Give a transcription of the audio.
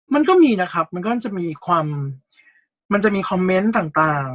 มันก็มีนะครับมันก็จะมีคอมเม้นต์ต่าง